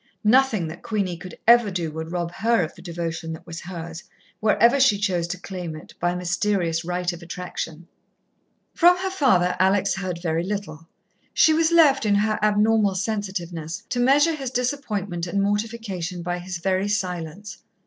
Nothing that Queenie could ever do would ever rob her of the devotion that was hers, wherever she chose to claim it, by mysterious right of attraction. From her father, Alex heard very little. She was left, in her abnormal sensitiveness, to measure his disappointment and mortification by his very silence.